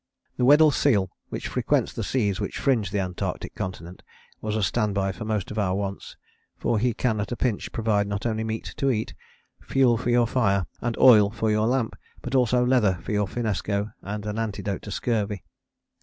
The Weddell seal which frequents the seas which fringe the Antarctic continent was a standby for most of our wants; for he can at a pinch provide not only meat to eat, fuel for your fire and oil for your lamp, but also leather for your finnesko and an antidote to scurvy.